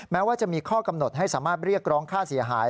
แม้ว่าจะมีข้อกำหนดให้สามารถเรียกร้องค่าเสียหาย